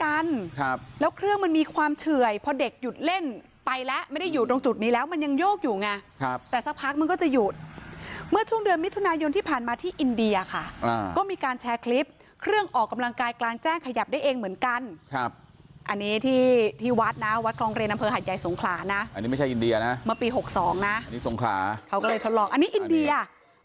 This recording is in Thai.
แกล้งกันครับแล้วเครื่องมันมีความเฉื่อยเพราะเด็กหยุดเล่นไปแล้วไม่ได้อยู่ตรงจุดนี้แล้วมันยังโยกอยู่ไงครับแต่สักพักมันก็จะหยุดเมื่อช่วงเดือนมิถุนายนที่ผ่านมาที่อินเดียค่ะอ่าก็มีการแชร์คลิปเครื่องออกกำลังกายกลางแจ้งขยับได้เองเหมือนกันครับอันนี้ที่ที่วัดน่ะวัดคลองเรนนำเภอหัดใหญ่